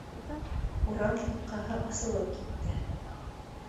Урам ҡапҡаһы асылып китте